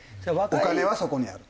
「お金はそこにある」と。